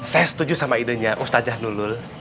saya setuju sama idenya ustaz jah nulul